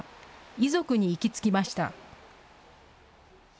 遺族に行き着きました。